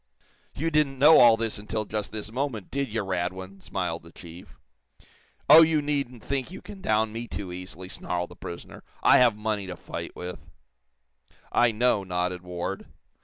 "You didn't know all this until just this moment, did you, Radwin?" smiled the chief. "Oh, you needn't think you can down me too easily," snarled the prisoner. "I have money to fight with." "I know," nodded Ward.